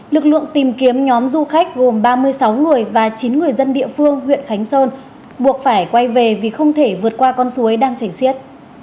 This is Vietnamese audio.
lực lượng tìm kiếm nhóm du khách gồm ba mươi sáu người và chín người dân địa phương huyện khánh sơn buộc phải quay về vì không thể vượt qua con suối đang chảy xiết